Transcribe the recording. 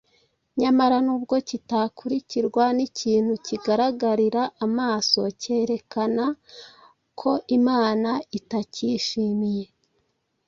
Nyamara nubwo kitakurikirwa n’ikintu kigaragarira amaso cyerekena ko Imana itacyishimiye,